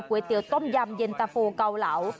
เตี๋ยวต้มยำเย็นตะโฟเกาเหลา